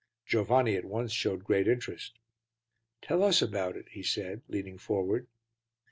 Giovanni at once showed great interest. "Tell us about it," he said, leaning forward.